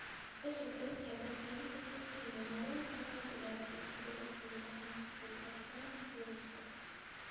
ეს ოპერაცია გაცილებით უფრო რთულია, მაგრამ საქალწულე აპკის სრულყოფილ და ხანგრძლივ აღდგენას გულისხმობს.